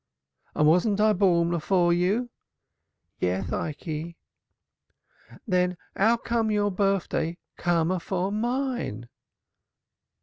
"And wasn't I born afore you?" "Yeth, Ikey." "Then 'ow can your birfday come afore mine?"